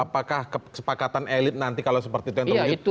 apakah kesepakatan elit nanti kalau seperti itu yang begitu